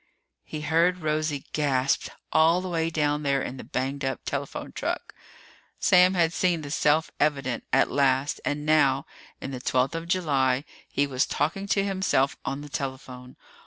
He heard Rosie gasp, all the way down there in the banged up telephone truck. Sam had seen the self evident, at last, and now, in the twelfth of July, he was talking to himself on the telephone.